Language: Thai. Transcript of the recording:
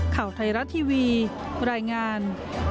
ข่าวไทยรัฐทีวีรายงาน